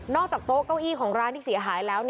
โต๊ะเก้าอี้ของร้านที่เสียหายแล้ว